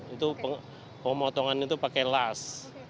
itu pemotongan itu pakai las